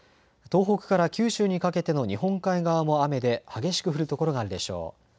東北から九州にかけての日本海側も雨で激しく降る所があるでしょう。